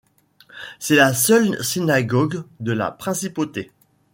C'est la seule synagogue de la Principauté.